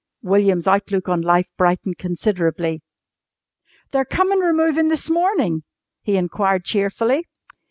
William's outlook on life brightened considerably. "They comin' removin' this morning?" he inquired cheerfully.